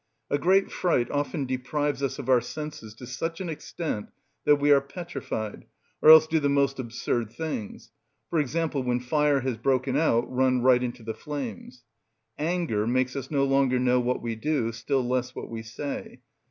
A great fright often deprives us of our senses to such an extent that we are petrified, or else do the most absurd things; for example, when fire has broken out run right into the flames. Anger makes us no longer know what we do, still less what we say.